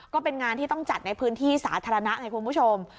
ก็เป็นงานที่ต้องจัดในพื้นที่สาธารณะไงคุณผู้ชม